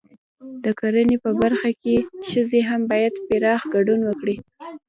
د کرنې په برخه کې ښځې هم باید پراخ ګډون وکړي.